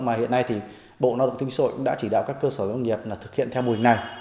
mà hiện nay thì bộ lao động thương sội cũng đã chỉ đạo các cơ sở doanh nghiệp là thực hiện theo mô hình này